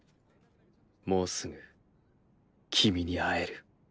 もうすぐ君に会える。